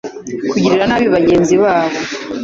kugirira nabi bagenzi babo